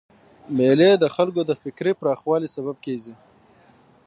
مېلې د خلکو د فکري پراخوالي سبب کېږي.